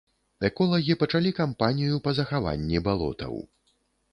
Эколагі пачалі кампанію па захаванні балотаў.